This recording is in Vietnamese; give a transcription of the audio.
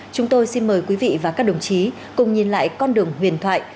chúng tôi xin mời quý vị và các đồng chí cùng nhìn lại con đường huyền thoại